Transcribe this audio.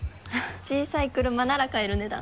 小さい車なら買える値段。